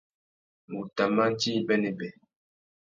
Ngu tà mà djï bênêbê.